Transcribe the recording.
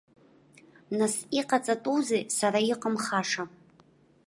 Нас иҟаҵатәузеи, сара иҟамхаша.